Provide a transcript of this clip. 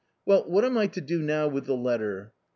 Well, what am I to do now with the letter?"